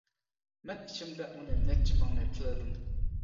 مەن ئىچىمدە ئۇنى نەچچە مىڭنى تىللىدىم.